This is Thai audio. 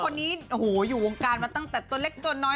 คนนี้โอ้โหอยู่วงการมาตั้งแต่ตัวเล็กตัวน้อย